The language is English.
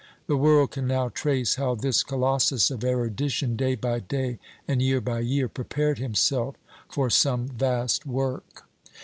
The world can now trace how this Colossus of erudition, day by day, and year by year, prepared himself for some vast work.